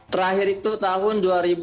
terakhir itu tahun dua ribu delapan belas